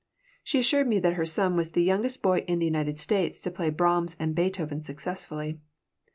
She assured me that her son was the youngest boy in the United States to play Brahms and Beethoven successfully.